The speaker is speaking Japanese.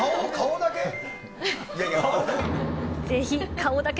顔だけ？